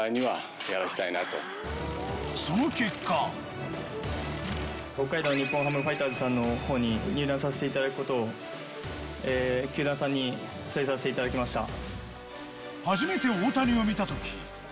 その結果北海道日本ハムファイターズさんに入団させていただくことを球団さんに伝えさせていただきました。